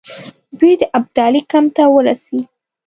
دوی د ابدالي کمپ ته ورسي.